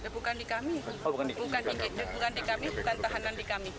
bukan di kami bukan di kami bukan tahanan di kami